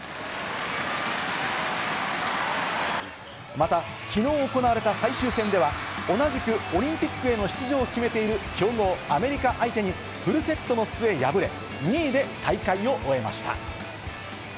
また、きのう行われた最終戦では同じくオリンピックへの出場を決めている強豪・アメリカ相手に、フルセットの末に敗れ、２位で大会を終えました。